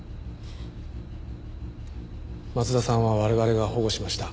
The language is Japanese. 松田さんは我々が保護しました。